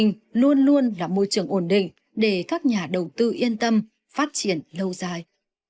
nó luôn là môi trường ổn định để các nhà đầu tư yên tâm phát triển lâu dài